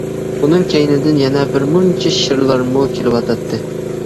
ئۇنىڭ كەينىدىن يەنە بىر مۇنچە شىرلارمۇ كېلىۋاتاتتى.